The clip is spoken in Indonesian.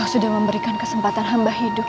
sudah memberikan kesempatan hamba hidup